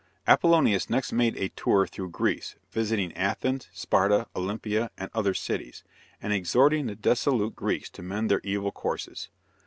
Apollonius next made a tour through Greece, visiting Athens, Sparta, Olympia, and other cities, and exhorting the dissolute Greeks to mend their evil courses.